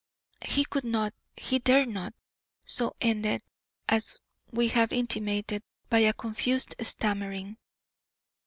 He could not, he dared not, so ended, as we have intimated, by a confused stammering.